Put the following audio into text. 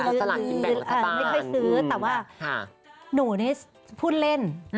ซื้อไม่ค่อยซื้อแต่ว่าหนูนี่พูดเล่น